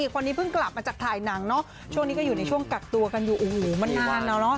คนนี้เพิ่งกลับมาจากถ่ายหนังเนาะช่วงนี้ก็อยู่ในช่วงกักตัวกันอยู่โอ้โหมันนานแล้วเนอะ